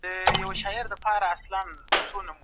که زکات کم وي نو نورې لاري چارې ولټوئ.